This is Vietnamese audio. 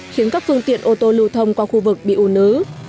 khiến các phương tiện ô tô lưu thông qua khu vực bị ủ nứ